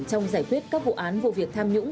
trong giải quyết các vụ án vụ việc tham nhũng